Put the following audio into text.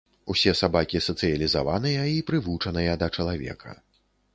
Усе сабакі сацыялізаваныя і прывучаныя да чалавека.